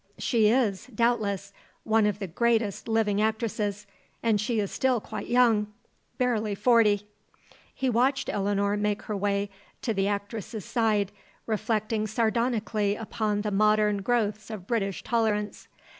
She is, doubtless, one of the greatest living actresses. And she is still quite young. Barely forty." He watched Eleanor make her way to the actress's side, reflecting sardonically upon the modern growths of British tolerance.